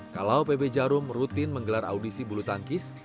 kalau pb jarum rutin menggelar audisi bulu tangkis